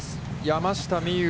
山下美夢